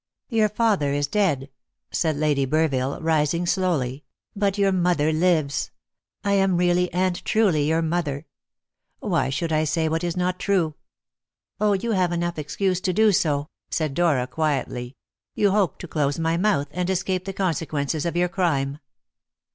"Your father is dead," said Lady Burville, rising slowly, "but your mother lives; I am really and truly your mother. Why should I say what is not true?" "Oh, you have enough excuse to do so," said Dora quietly. "You hope to close my mouth, and escape the consequences of your crime."